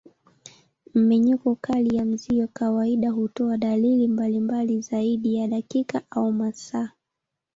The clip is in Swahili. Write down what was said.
Mmenyuko kali ya mzio kawaida hutoa dalili mbalimbali zaidi ya dakika au masaa.